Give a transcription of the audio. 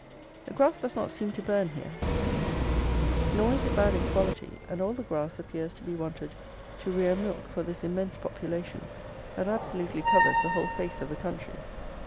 The grass does not seem to burn here; nor is it bad in quality; and all the grass appears to be wanted to rear milk for this immense population, that absolutely covers the whole face of the country.